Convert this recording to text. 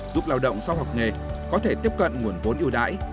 giúp lao động sau học nghề có thể tiếp cận nguồn vốn ưu đãi